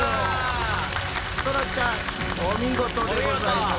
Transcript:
そらちゃんお見事でございます。